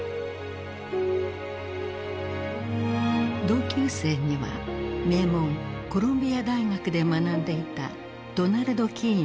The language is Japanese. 同級生には名門コロンビア大学で学んでいたドナルド・キーンもいた。